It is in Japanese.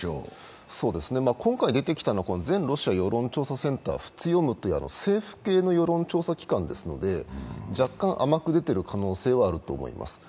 今回、出てきたのは全ロシア世論調査、政府系の世論調査機関ですので若干、甘く出ている可能性はあると思います。